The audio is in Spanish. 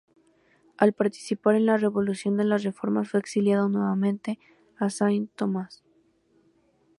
Al participar en la Revolución de la Reformas fue exiliado nuevamente a Saint Thomas.